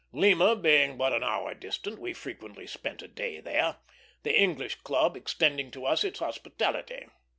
Lima being but an hour distant, we frequently spent a day there; the English Club extending to us its hospitality.